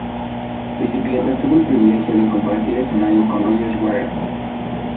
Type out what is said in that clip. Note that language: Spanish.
Bicicletas tuvo el privilegio de compartir escenario con Roger Waters